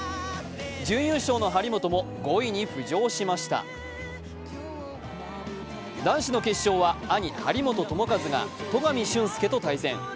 準優勝の張本も５位に浮上しました男子の決勝は兄・張本智和が戸上隼輔と対戦。